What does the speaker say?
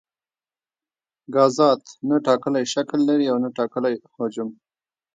ګازات نه ټاکلی شکل لري او نه ټاکلی حجم.